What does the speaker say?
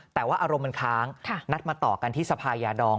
แต่ว่าอารมณ์มันค้างนัดมาต่อกันที่สภายาดอง